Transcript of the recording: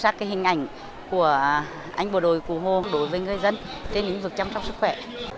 châu sát cái hình ảnh của anh bộ đội cụ hồn đối với người dân trên những vực chăm sóc sức khỏe